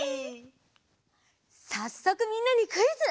さっそくみんなにクイズ。